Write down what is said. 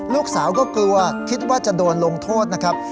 ลูกสาวก็กลัวคิดว่าจะโดนลงโทษนะครับ